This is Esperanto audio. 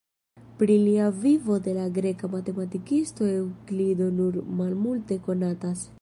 Pri la vivo de la greka matematikisto Eŭklido nur malmulte konatas.